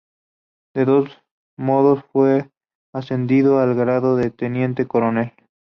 De todos modos, fue ascendido al grado de teniente coronel.